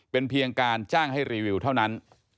เป็นเพียงการจ้างให้รีวิวเท่านั้น